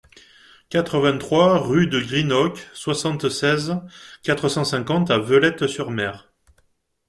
quatre-vingt-trois rue de Greenock, soixante-seize, quatre cent cinquante à Veulettes-sur-Mer